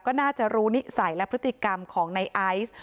ก็น่าจะรู้นิสัยและพฤติกรรมของในไอซ์